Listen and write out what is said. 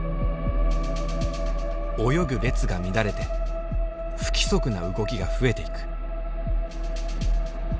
泳ぐ列が乱れて不規則な動きが増えていく。